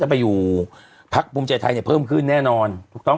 จะไปอยู่ภักดีพักภูมิใจไทยเนี่ยเพิ่มขึ้นแน่นอน